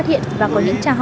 để đến kiểm tra